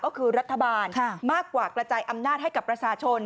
ก็คือรัฐบาลมากกว่ากระจายอำนาจให้กับประชาชน